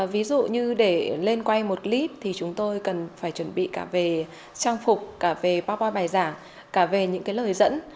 ví dụ như để lên quay một clip thì chúng tôi cần phải chuẩn bị cả về trang phục cả về pop up bài giảng cả về những cái lời dẫn